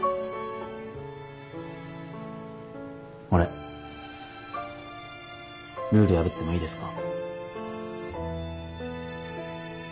俺ルール破ってもいいですか？